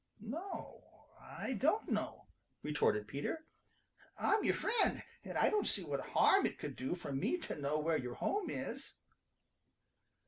"No, I don't know," retorted Peter. "I'm your friend, and I don't see what harm it could do for me to know where your home is."